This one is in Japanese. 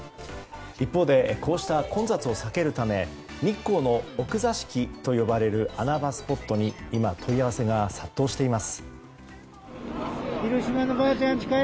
一方でこうした混雑を避けるため日光の奥座敷と呼ばれる穴場スポットに今、問い合わせが殺到しています。